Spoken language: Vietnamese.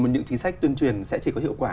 những chính sách tuyên truyền sẽ chỉ có hiệu quả